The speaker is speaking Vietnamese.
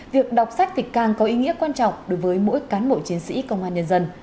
việc đọc sách thì càng có ý nghĩa quan trọng đối với mỗi cán bộ chiến sĩ công an nhân dân